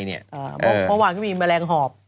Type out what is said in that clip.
เมื่อวานก็มีแมลงหอบ